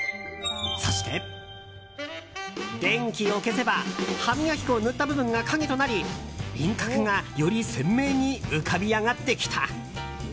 そして、電気を消せば歯磨き粉を塗った部分が影となり輪郭がより鮮明に浮かび上がってきた。